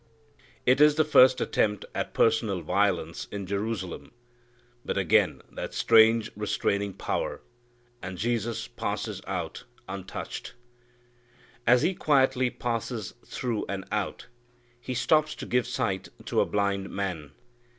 It is the first attempt at personal violence in Jerusalem. But again that strange restraining power, and Jesus passes out untouched. As he quietly passes through and out, He stops to give sight to a blind man.